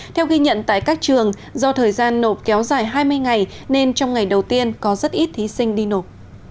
theo ghi nhận tại các trường do thời gian nộp kéo dài hai mươi ngày nên trong ngày đầu tiên có rất ít thí sinh đi nộp